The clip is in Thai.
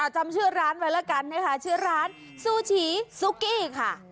จำชื่อร้านไว้แล้วกันนะคะชื่อร้านซูฉีซูกี้ค่ะ